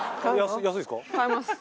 買います！